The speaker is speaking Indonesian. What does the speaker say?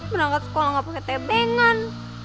berangkat sekolah ga pake tebengan